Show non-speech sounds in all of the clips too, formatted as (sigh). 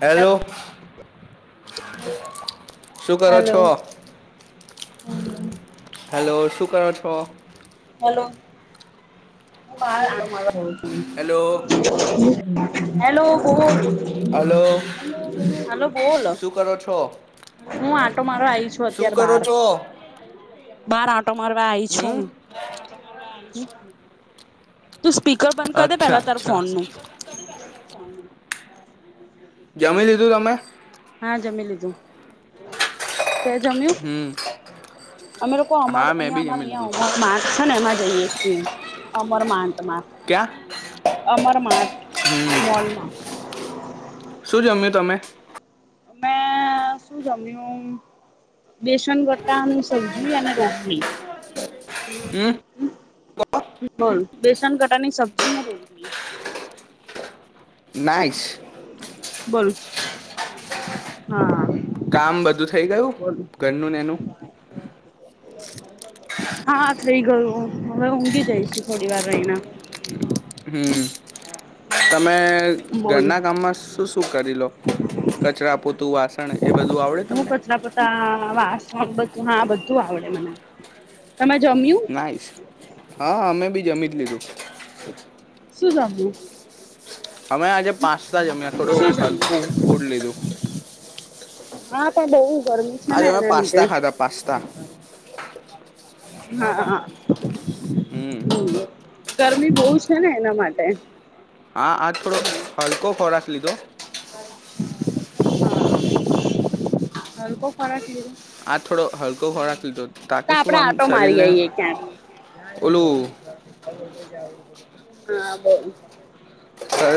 Hello. શુ કરો hello છો? હેલો. શું કરો છો? હલો. હલો હેલો બોલ હલો. હલો બોલ શું કરો છો? હું આંટો મારવા આવી છું શું અત્યારે કરો બહાર છો? બહાર આંટો મારવા આવી છું હમ્મ તું સ્પીકર બંધ કર દે, પેલા તાર ફોન નુ જમી લીધું તમે? હા જમી લીધું. તે જમ્યું? અમે લોકો અમર હા મેં અહંયા બી અમાર જમી લીધું અિયાં અ માક છે ને એમાં જઈએ છીએ. અમર માન ક્યાં અમરમાથ મોલમાં શું જમ્યું તમે? મે શું જમ્યું, બેસન ગટાનું સબ્જી અને રોટલી. બોલ બેસન ગટાની સબ્જી ને રોટલી. નાઇસ બોલ હા કામ બધું થઇ ગયું, બોલ ઘરનુંને એનું? હાઈ ગયોું હ હવે ઊંઘી જઈશું થોડી વાર રહીના હમ તમે બોલ ઘરના કામમાં શું શું કરી લો કચરા પૂતું વાસણ એ બધું આવડે હું તમને કચરા પોતા વાસણ બધું હા બધું આવડે મને તમે જમ્યું ના હા અમે બી જમી લીજું શું જામ્યું અમે આજે પાંચ બ જ અમે થોડો શું જમ્યું હલકું ફૂડ લીધું હા પણડવ આજે તમે પાસ્તા ખાતા પસ્તા હા હમ ગરમી બહુ છે ને એના માટે હા આજ થોડો હલકો ખોરાક (inaudible) હવે કો ફરાટ લીધું આજ થોડો હલકો ઘો રાખ તો. તો આપડે ઓટો મારી આવીઈએે ક્યાંક. ઓલું હા બો.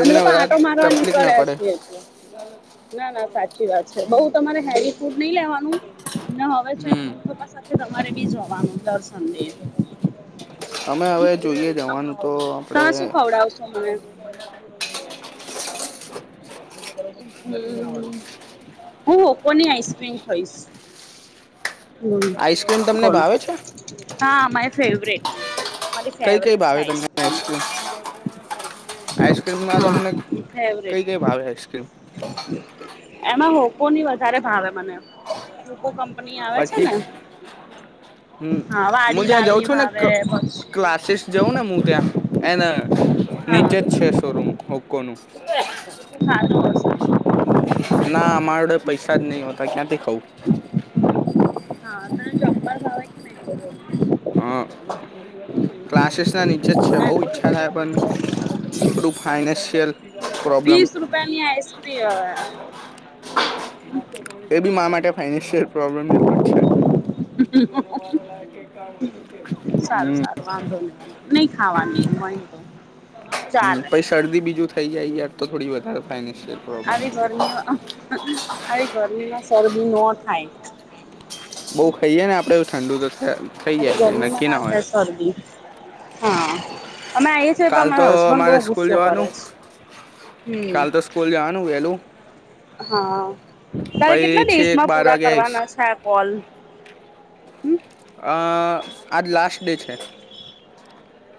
અમે લોકો આંટો વધારે મારવા તકલીફ ના નીકળ્યા પડે છીએ એટલે. ના ના સાચી વાત છે બઉ તમારે હેવી ફૂડ નહી લેવાનું. ના હવે છે હમ મમ્મી પપ્પા સાથે તો મારે બીજું હવાનું દર્શન દે. અમે હવે જોઈએ જવાનું તો ત આપણે શું ખવડાવશો મને. હું કોની આઈસક્રીમ ખાઈશ. હમ આઈસ્ક્રીમ તમને ભાવે છે. મા ફેવટ. કઈ કઈ ભાવે તમ આઈસક્રીમ આઈસ્ક્રીમમાં હા તમને ફેવરેટ કઈ કઈ ભાવે આઈસક્રીમ. એમાં હોકો ની વધારે ભાવે મને હોકોં ની આવે. છે ને હમ હા હું ત્યાં વાડીલાલ જઉં ની છું ને ભાવે પછી ક્લાસીસ જઉં ને હું ત્યાં એને હા નીચે જ છે શોરૂમ. ઓકોનું. (unintelligible) ના અમારડે પૈસા જ નહી હોતા ક્યાંથી ખઉ. હા ત ચો્પર ક્લાસીસ ના નીચે જ છે બહ મેંગો ઈચ્છા ડોલી થાય પણ ભાવે થોડું ફાઈન્શિયલ વીસ રૂપિયા ની આઈસક્રીમ હવે. હમ્મ. એ બી મા માટે ફાઈનેન્શિયલ પ્રોબ્લેમ જેટલું જ છે. હમ સારું સારું વાંધો ન વા. નહી ખાવાની હોય તો. હ ચાલે પછી શરદી બીજું થાય. સહી જ આ યાર તો થોડી બતાાઈ. આવી ગરમીમાં આવી ગરમીમાં. ચરબી ન થાય. બઉ ખાઈએે ને આપડે ઠંડુ તો થ થઈ અભ જાય છે ગરમીમાં નક્કી ના હોય થાયર્દી હા અમે આવીએ છીએ પણ કાલ તો મારા હસબન્ડ મારે બહુ સ્કૂલ ગુસ્સો કરે જવાનું છે હમ કાલ તો સ્કૂલ જવાનું વેલું હા તારે પહી કેટલા છેક દેસમાં બાર પૂરા વાગે આઈશ કરવાના છે આ કોલ હમ આજ લાસ્ટ ડે છે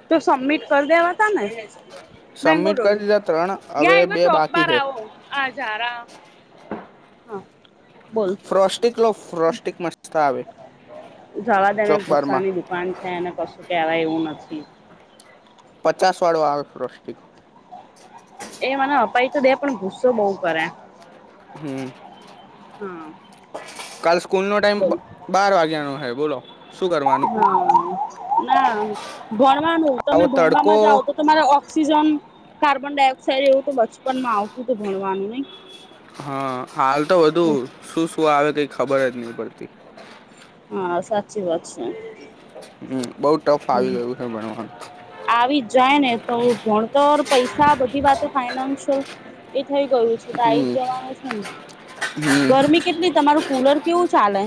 તો સબમિટ કરી દેવા તા ને મેંગો સબમિટ કરી ડોલી દીધા ત્રણ હવે યા એ બે ચોક બાકી બાર છે આવો આ જાર હા બોલ ફ્રોસ્ટિક લો ફ્રોસ્ટિક મસ્ જવા તને ભુસ્સા ની દુકાન છે અનેને કશું કેવાય એવું ના પખી પચાસ વાળું આવે છે રષ્ટિકો એ મને અપાઈ તો દે પણ ગુસ્સો બહુ કરે હમ હા કાલ સ્કૂલ નો ટાઈમ બોલ બાર વાગ્યાનોો હ બોલો શું કરવાનું હા ના ભણવાનું તમે આવો તડકો ભણમાં જાવ તો તમારે ઓક્સિજન કાર્બન ડાયોક્સાઇડ એવું તો બચપન માં આવતું તો ભણવાનું નહ હા હાલ તો વધુ શું શું આવે ક ખબર જ નહીં પડતી હા સાચી વાત છે હમ બઉ ટફ હ આવી ગયું છે ભણવાનું આવી જ જાય ને તો ભણતર પૈસા બધી વાત ફાઈનાશલ થઈ ગયું છે તો આ આવી હમ જ જવાનું છે ને હમ ગરમી કેટલી તમારું કુલર કેવું ચાલે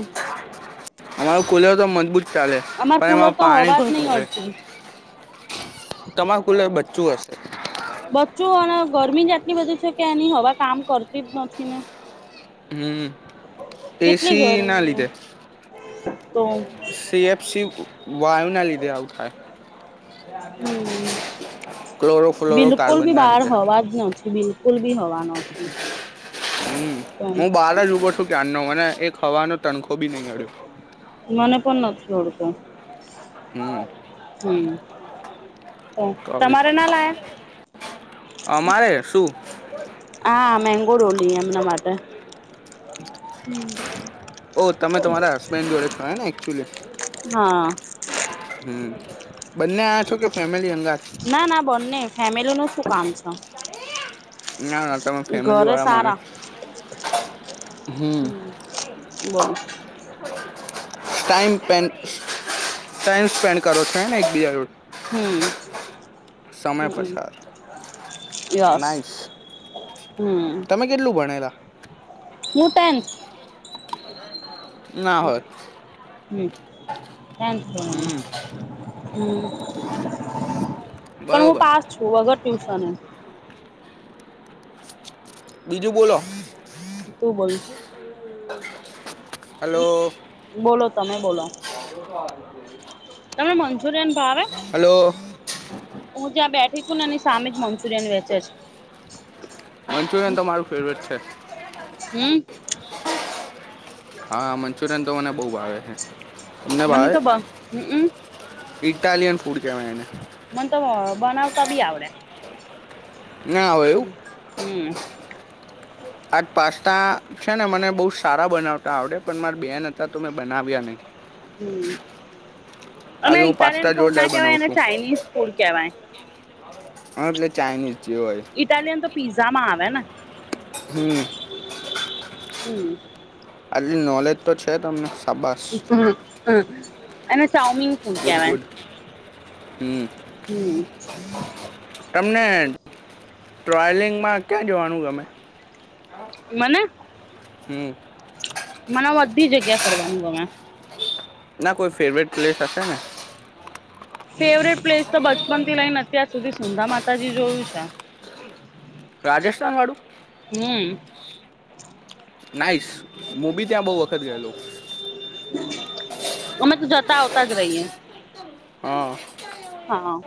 અમારું ખુલે તો મજબૂત ચાલે અમાર પણ પુલર એમાં તો હોવા જ નહી અડતી તમાર કુલે બચ્ચું હશે બચ્ચું અને ગરમી જાટલી બધી કે એની હવે કામ કરતી જ નથી ને હમ કેટલી એસી ના ગરમી લીધે તો સીએફસી વાયુ ના લીધે આવું થાય હમ ક્લોરો ફ્લોરો બિલકુલ કાર્બન બી ના બહાર રીતે હવા જ નથી બિલકુલ બી હોવાનો છી હમ હું બાર જ ઉભો છું ક્યારનો મને એક હવાનો તણખો તો બી નહીં અડ્યો જડતો હમ તે કવિ તમારે ના લાયા અમારે શું હા મેંગ બો રોલી એમના માટે ઓ તમે તમારા હસબેન્ડ જોડે ક ને એક્ચ્યુલી હા હમ બંને આ છો કે ફેમિલી અંગાત ના ના બંને ફેમિલી નું શું કામ છે. ના ના તમે ઘરે ફેમિલીવાળા માણસ સારા હમ બોલો ટાઈમ સ્પેન ટાઈમ સ્પેન્ડ કરો છો હેને એકબીજા જોડ? હમ સમય હમ પસાર. Yes nice. હમ તમે કેટલું ભણેલા? હું ટેન ના હોય હમ હમ વાંધો નહીં હમ હમ પણ હું બરોબર પાસ છું વગર ટ્યુ છ ને બીજું બોલો તું બોલ (unintelligible) બોલો તમે બોલો (inaudible) તમને મંચુરિયન ભાવે? હલો હું જ્યાં બેઠી છું ને એની સામે જ મંચુરિયન વેચે છે. મંચુરિયન તો મારું ફેવરેટ છે. હમ હા મંચુરયન તો મને બહુ ભાવે છે. તમને મન ભાવે તો બહુ હમ અમ ઇટાલિયન ફૂડ કેવાય એને મન તો અ બનાવતા બી આવડે ના આવે એવું હમ આજ પાસ્તા છે ને મને બહુ સારા બનાવતા આવડે પણ મારા બેન હતા તો મેં બનાવ્યા નહી હમ અમે આજે હું ઇટાલિયન પાસ્તા ફૂડ જોરદાર ના કેવાય બનાવું અને છું ચાઇનીઝ ફૂડ કેવાય હા એટલે ચાઈનીઝ ઇટાલિયન તો પીઝા માં આવે ને હમ (unintelligible) હમ આટલી નોલેજ તો છે તમને શાબાશ હમ હમ અને ચાવમીન ફુડ ગુડ કેવા ગુડ હમ હમ તમને ટ્રાવેલિંગમાં ક્યાં જવાનું ગમે મને હમ મને બધી જગ્યા ફરવાનું ગમે ના કોઈ ફેવરેટ પ્લેસ હશે ને ફેવરેટ પ્લેસ તો બચપન થી લઈને અત્યાર સુધી સુંદર માતાજી જોયું છે રાજસ્થાન વાળું હમ નાઈસ હું બી ત્યાં બહુ વખત ગયેલો અમે તો જતા આવતા જ રહીએ હા હા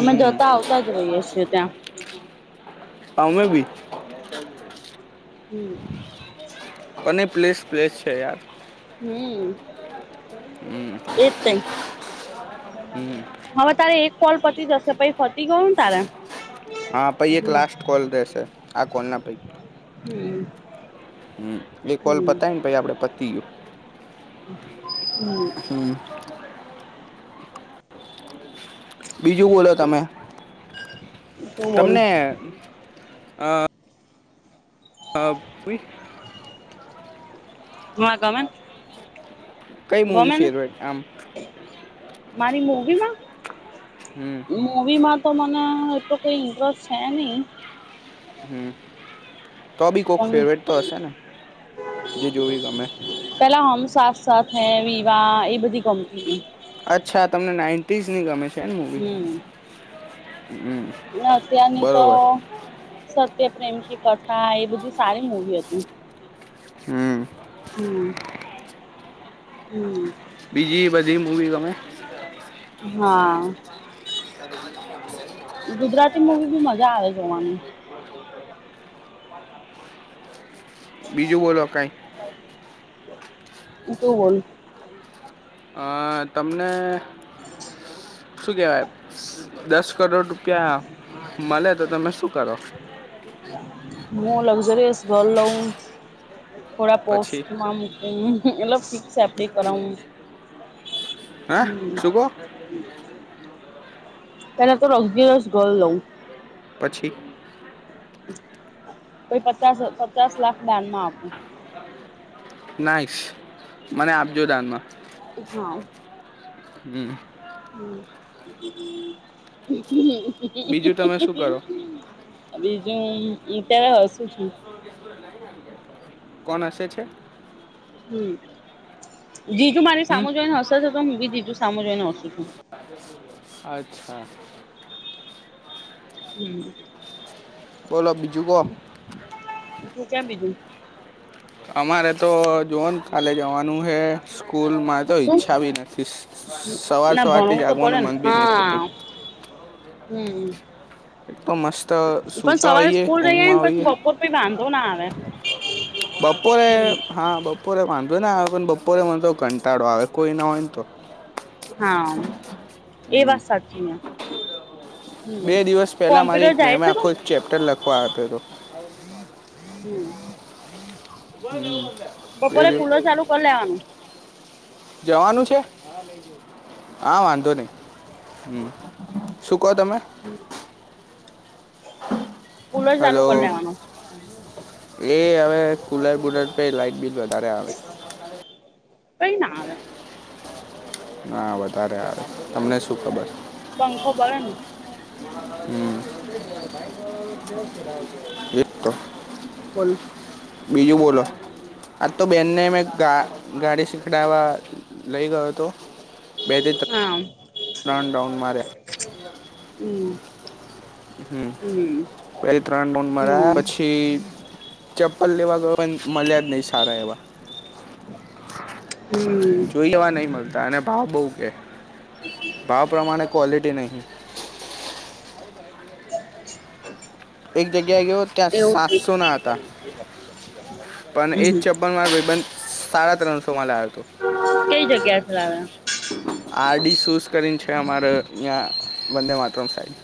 અમે જતા આવતા જ રહીએ છીએ ત્યાં તમે બી (inaudible) હમ અને પ્લેસ પ્લેસ છે યાર હમ એતેન હમ હવે તારે એક કોલ પતી જશે પછ ફતી ગયો ને તારે હા પૈ એક હમ લાસ્ટ કોલ દેશે આ કોના પૈ હમ હમ એક વલ હમ બતાય ને પ આપડે પતી ગયું હમ બીજું બોલો તમે શું બોલ તમને હા. હા. (unintelligible) માં તમે? કઈ મૂવી ગમે ને! ફેવરેટ આમ મારી મૂવીમાં? હમ મૂવીમાં તો મને તો કંઈ હીરોઝ છે નહીં. હમ. તો બી કોક પણ ફેવરેટ તો હશે, ને જે જોવી ગમે. પેલા હમ સાથ સાથ હૈ, વિવાહ એવી બધી ગમે. અચ્છા તમને નાઈન્ટીસની ગમે છે. ને મૂવી હમ, હમ અને અત્યારની તો બરોબર સત્યપ્રેમ કી કથા એ બધી સારી મુવી હતી. હમ. હમ, હમ. બીજી બધી મૂવી ગમે? હા, ગુજરાતી મુવી બી મજા આવે જોવાની. બીજું બોલો કઈ. એ તું બોલ. અ તમને શું કેવાય, દસ દસ કરોડ રૂપિયા મલે, તો તમે શું કરો? હું લક્ઝુરિયસ હલો થોડા પછી પોસ્ટમાં મુકૂં. મતલબ ફિક્સ એફ ડી કરાઉં. હેં? શું કો? પેલા તો લક્ઝુરિયસ ઘર લઉં. પછી? કોઈ પચાસ પચાસ લાખ દાનમાં આપું. નાઇસ! મને આપજો દાનમાં. હમ. હમ. બીજું તમે શું કરો તમે હં, અત્યારે હસું છું. કોણ હસે છે? હમ. જીજું મારી હમ સામું જોઈને હસે છે! હું બી જીજું સામું જોઈને હસું છું. અચ્છા. હમ. બોલો બીજું કો. તું કેમ બીજું અમારે તો જોન કાલે જવાનું હે સ્કૂલમાં તો શું? ઈચ્છા ભી નથી સવાર ના સવારથી ભણવું તો પડે જાગવાનું ને મન ભી નહી થતું હા હમ એક તો મસ્ત હ પણ સૂતા સવારે હોઈએ સ્કૂલ રહી આવી ઊંઘમાં ને પછી હોઈએ બપોર પ વાંધ શું ના આવે બપોરે હા બપોરે માંધ જો ના આવે પણ બપોરે મને તો કંટાળો આવે કોઈ ના હોય ને તો હા એ હમ વાસ સાચવીીયા બે દિવસ પહેલા મારી કોમ્પ્યુટર એક જાય મેમે છે આખો તું એક ચેપ્ટર લખવા આપ્યો હતો હમ બપોરે એને કુલર ચાલુ કરી લેવાનું જવાનું છે હા વાંધો નહી હ શ કોદમે પુલ ચાલુ હલો કરી લેવાનું એ હવે કુલર બુલર પ લાઈટ બિલ વધારે આવે કઈ ના હા વધારે હાર હમ પંખો ભે ને હમ ગટ તો બોલ બીજું બોલો આજ તો બેનને મેંા ગાડી શીખડાવા લઈ ગયો હતો બેદર ત હા રન ડઉન માર્યા હમ હમ પેલી ત્રણ રઉડ મળરા્યા હમ પછી ચપ્પલ લેવા ગ પણ મલ્યાદ નહી સારા એવા હમ જોઈ લેવા નહી મળતા અને ભાવ બહુ કે ભાવ પ્રમાણે ક્વોલિટી નહીં એક જગ્યા ્યા ગયો ત્યાં એવું કઈ સાતસો ના હતા પણ એજ ચપ્પન માબંધ સાડા ત્રણસો માં લ કઈ જગ્યા સે લાવે. આરડી શૂઝ કરીને છે અમારે અહીંયા Vande Mataram side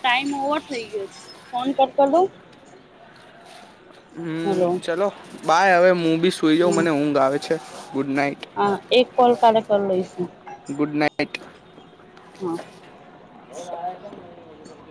time over થઇ ગયો છે ફોન કર કર દઉ. હમ ચલો બાય હવે હું બી સુઈ જ હા મને ઊંઘ આવે છે ગુડ નાઈટ હા એક કોલ કાલે કરી લઈશું ગુડ નાઇટ. થીક. હા. (unintelligible)